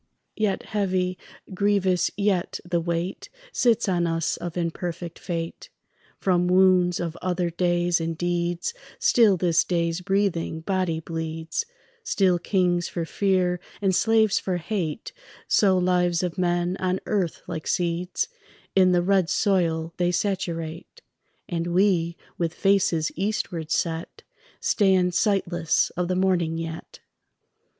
Yet heavy, grievous yet the weight Sits on us of imperfect fate. From wounds of other days and deeds Still this day's breathing body bleeds; Still kings for fear and slaves for hate Sow lives of men on earth like seeds In the red soil they saturate; And we, with faces eastward set, Stand sightless of the morning yet.